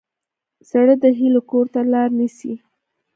زړه د هیلو کور ته لار نیسي.